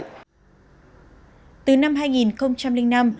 từ năm hai nghìn năm công ty cổ phần thủy điện đa nhiêm đã trở thành địa điểm